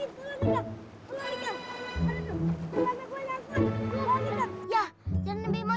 kamu baik baik dengan bunuhnya